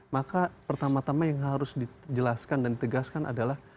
maka pertama tama yang harus dijelaskan dan ditegaskan adalah